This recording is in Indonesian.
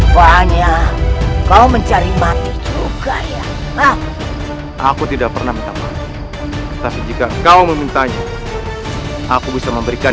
banyak kau mencari mati juga ya aku tidak pernah minta maaf tapi jika kau memintanya aku bisa memberikan